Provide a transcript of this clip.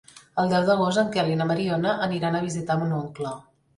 El deu d'agost en Quel i na Mariona aniran a visitar mon oncle.